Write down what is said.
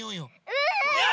うん！